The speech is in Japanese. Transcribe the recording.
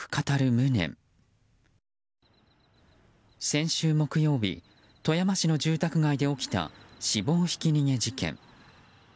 先週木曜日富山市の住宅街で起きた死亡ひき逃げ事件。